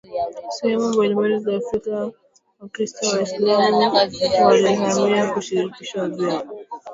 sehemu mbalimbali za Afrika Wakristo na Waislamu waliwahi kushirikiana vema